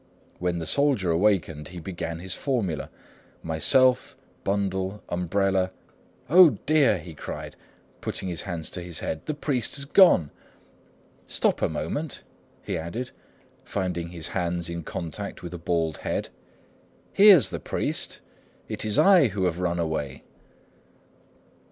When the soldier awaked, he began his formula, "Myself, bundle, umbrella—O dear!" cried he, putting his hands to his head, "the priest has gone. Stop a moment," he added, finding his hands in contact with a bald head, "here's the priest; it is I who have run away."